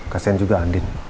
kasian juga andien